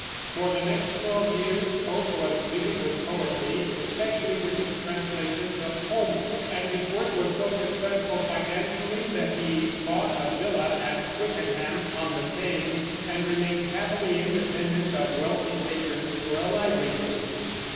For the next twelve years Pope was busy with poetry, especially with his translations of Homer; and his work was so successful financially that he bought a villa at Twickenham, on the Thames, and remained happily independent of wealthy patrons for a livelihood.